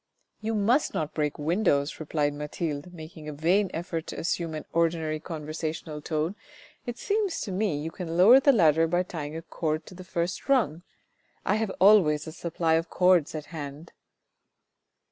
"You must not break the windows," replied Mathilde making a vain effort to assume an ordinary conversational tone ; "it seems to me you can lower the ladder by tying a cord to the first rung. I have always a supply of cords at hand."